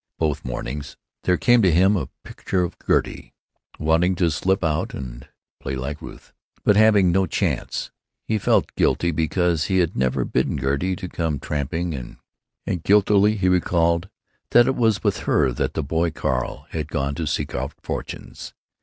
Both mornings there came to him a picture of Gertie, wanting to slip out and play like Ruth, but having no chance. He felt guilty because he had never bidden Gertie come tramping, and guiltily he recalled that it was with her that the boy Carl had gone to seek our fortunes.